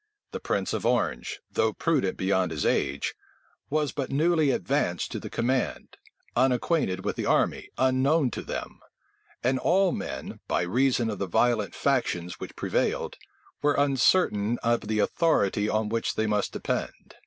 The prince of Orange, though prudent beyond his age, was but newly advanced to the command, unacquainted with the army, unknown to them; and all men, by reason of the violent factions which prevailed, were uncertain of the authority on which they must depend.